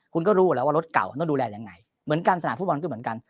คุณก็รู้อยู่แล้วว่ารถเก่าต้องดูแลยังไงเหมือนกันสนามฟุตบอลก็เหมือนกัน